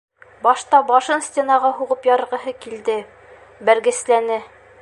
Башта башын стенаға һуғып ярғыһы килде - бәргесләне.